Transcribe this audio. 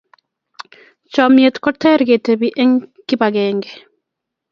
chamiet ko ter ketebi eng kibang'eng'e